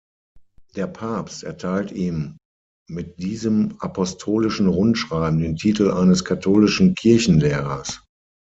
Der Papst erteilt ihm, mit diesem Apostolischen Rundschreiben, den Titel eines katholischen Kirchenlehrers.